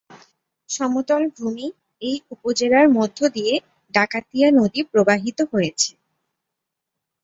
সমতল ভূমি এই উপজেলার মধ্য দিয়ে ডাকাতিয়া নদী প্রবাহিত হয়েছে।